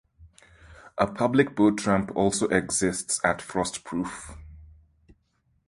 A public boat ramp also exists at Frostproof.